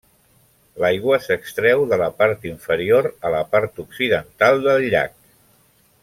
L'aigua s'extreu de la part inferior a la part occidental del llac.